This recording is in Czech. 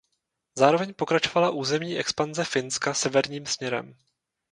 Zároveň pokračovala územní expanze Finska severním směrem.